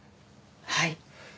はい。